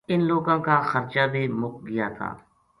اِن لوکاں کا خرچا بے مُک گیاتھا